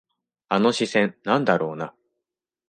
あの視線、なんだろうな。